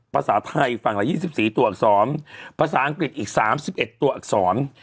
ภาษาไทยฟังละยี่สิบสี่ตัวอักษรภาษาอังกฤษอีกสามสิบเอ็ดตัวอักษร